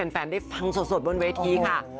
ฟังได้ฟังมาเวทีค่ะ